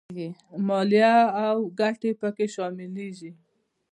مالیه او ګټې په کې شاملېږي